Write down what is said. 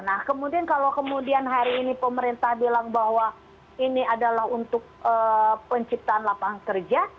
nah kemudian kalau kemudian hari ini pemerintah bilang bahwa ini adalah untuk penciptaan lapangan kerja